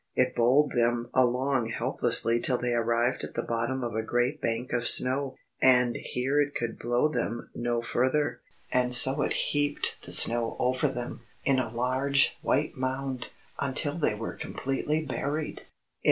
It bowled them along helplessly till they arrived at the bottom of a great bank of snow. And here it could blow them no further, and so it heaped the snow over them, in a large white mound, until they were completely buried.